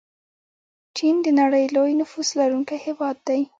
چین د نړۍ لوی نفوس لرونکی هیواد دی.